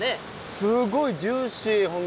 すごいジューシーほんで。